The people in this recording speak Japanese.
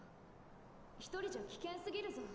ひとりじゃ危険すぎるぞ。